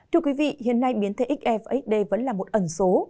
thưa quý vị hiện nay biến thể xf xd vẫn là một ẩn số